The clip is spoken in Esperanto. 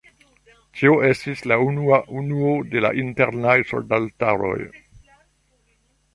Tio estis la unua unuo de la Internaj Soldataroj.